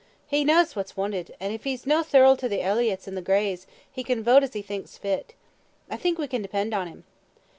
He kens what's wanted, and if he's no thirled to the Elliotts and the Greys, he can vote as he thinks fit. I think we can depend on him."